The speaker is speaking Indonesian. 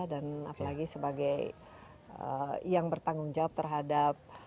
dan apalagi sebagai yang bertanggung jawab terhadap